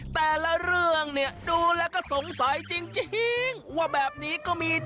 แต่ละเรื่องเนี่ยดูแล้วก็สงสัยจริงว่าแบบนี้ก็มี